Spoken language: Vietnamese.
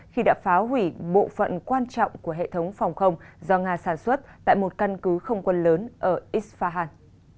khi đã phá hủy bộ phận quan trọng của hệ thống phòng không do nga sản xuất tại một căn cứ không quân lớn ở isfahan